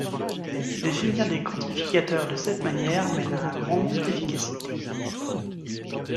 Définir des quantificateurs de cette manière mène à un grand manque d'efficacité.